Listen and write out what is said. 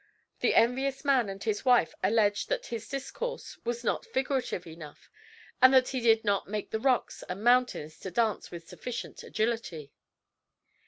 The envious man and his wife alleged that his discourse was not figurative enough, and that he did not make the rocks and mountains to dance with sufficient agility.